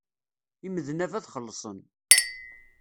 Imednab ad xellṣen.